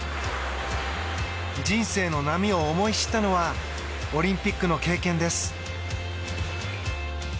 人生の波を思い知ったのはオリンピックの経験です。